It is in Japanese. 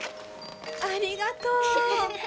ありがとう。